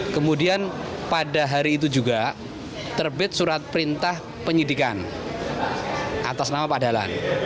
kemudian pada hari itu juga terbit surat perintah penyidikan atas nama pak dalan